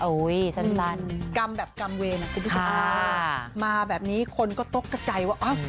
อุ้ยสั้นกรรมแบบกรรมเวนอ่ะค่ะมาแบบนี้คนก็ตกกระใจว่าอ้าว